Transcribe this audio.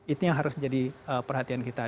itu yang harus jadi perhatian kita